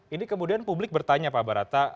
ini kemudian publik bertanya pak barata